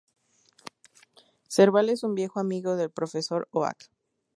Serbal es un viejo amigo del Profesor Oak.